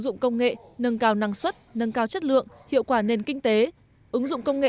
dụng công nghệ nâng cao năng suất nâng cao chất lượng hiệu quả nền kinh tế ứng dụng công nghệ